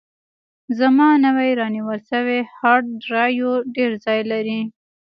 زما نوی رانیول شوی هارډ ډرایو ډېر ځای لري.